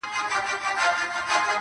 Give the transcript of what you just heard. چي دا کلونه راته وايي نن سبا سمېږي!!